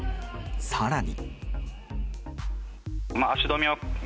更に。